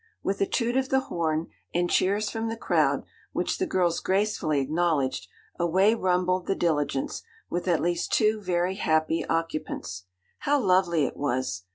With a toot of the horn, and cheers from the crowd, which the girls gracefully acknowledged, away rumbled the diligence, with at least two very happy occupants. How lovely it was!